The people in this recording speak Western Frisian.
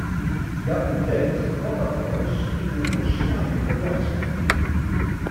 Hja ûntdekt wat dat alles yn in folslein oar ljocht set.